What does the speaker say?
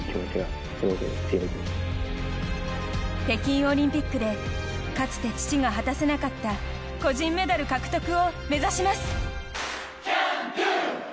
北京オリンピックでかつて父が果たせなかった個人メダル獲得を目指します。